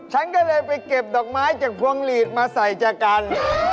ฉันก็เลยไปเก็บดอกไม้จากพวงหลีดมาใส่จากกัน